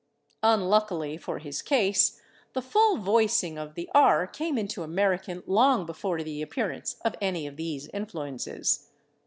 Unluckily for his case, the full voicing of the /r/ came into American long before the appearance of any of these influences.